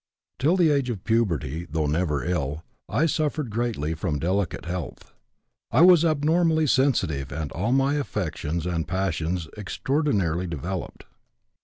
Till the age of puberty, though never ill, I suffered greatly from delicate health. I was abnormally sensitive and all my affections and passions extraordinarily developed.